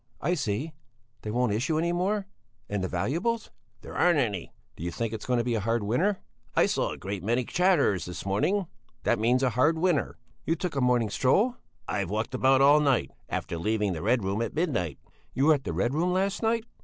"I see! They won't issue any more? And the valuables?" "There aren't any." "Do you think it's going to be a hard winter?" "I saw a great many chatterers this morning; that means a hard winter." "You took a morning stroll?" "I've walked about all night, after leaving the Red Room at midnight." "You were at the Red Room last night?"